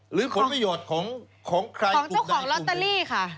หรือผลประโยชน์ของใครปลูกใดปลูกมือของเจ้าของลอตเตอรี่ค่ะ